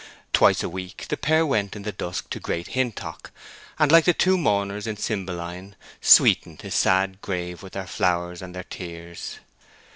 Twice a week the pair went in the dusk to Great Hintock, and, like the two mourners in Cymbeline, sweetened his sad grave with their flowers and their tears.